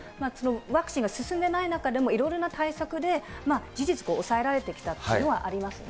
ワクチンが進んでない中でもいろいろな対策で、事実抑えられてきたというのはありますね。